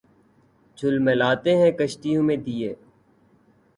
جھلملاتے ہیں کشتیوں میں دیے